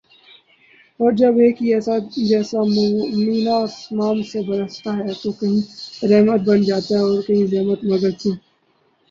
اور جب ایک ہی جیسا مینہ آسماں سے برستا ہے تو کہیں رحمت بن جاتا ہے اور کہیں زحمت مگر کیوں